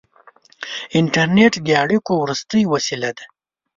• انټرنېټ د اړیکو وروستۍ وسیله ده.